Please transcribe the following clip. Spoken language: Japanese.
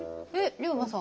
龍馬さん